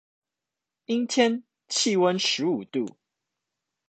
陰天，氣溫十五度